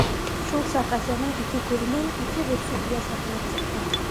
Шул саҡ әсәнең ике күҙенән ике бөрсөк йәш атылып сыҡҡан.